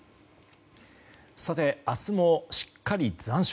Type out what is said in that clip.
明日も、しっかり残暑。